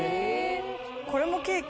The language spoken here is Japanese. これもケーキ？